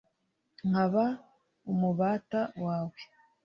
nkaba umubata wawe.